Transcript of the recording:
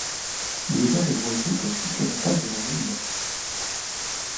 Il est vert et boisé comme toutes les montagnes de mon île!...